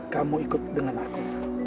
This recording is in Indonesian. kamu ikut dengan aku